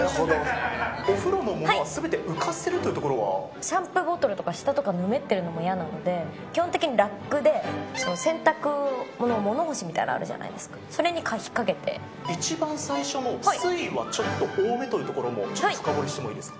お風呂のものはすべて浮かせシャンプーボトルとか、下とかがぬめっているのも嫌なので、基本的にラックで、洗濯のこの物干しみたいなのあるじゃないですか、それに引っ掛け一番上の、水位はちょっと多めというところもちょっと深掘りしてもいいですか。